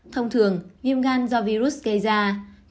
thông thường viêm gan do virus gây dịch